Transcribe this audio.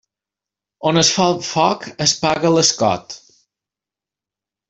On es fa el foc es paga l'escot.